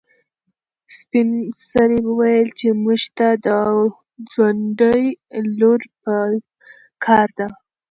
سپین سرې وویل چې موږ ته د ځونډي لور په کار ده.